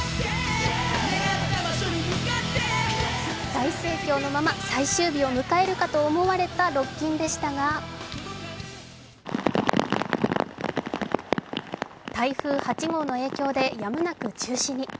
大盛況のまま最終日を迎えるかと思われたロッキンでしたが台風８号の影響でやむなく中止に。